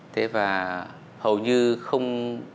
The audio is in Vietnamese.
thế và hầu như không